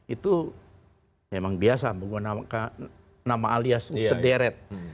itu memang biasa menggunakan nama alias sederet